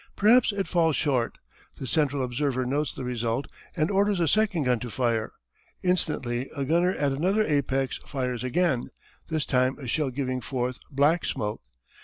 Perhaps it falls short. The central observer notes the result and orders a second gun to fire. Instantly a gunner at another apex fires again, this time a shell giving forth black smoke.